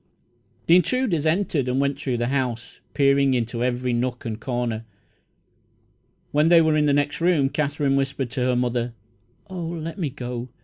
The intruders entered and went through the house, peering into every nook and corner. When they were in the next room, Katherine whispered to her mother: "Oh, let me go!